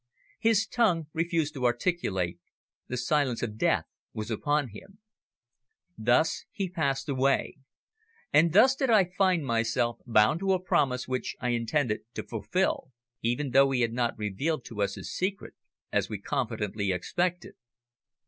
His tongue refused to articulate, the silence of death was upon him. Thus he passed away; and thus did I find myself bound to a promise which I intended to fulfil, even though he had not revealed to us his secret, as we confidently expected.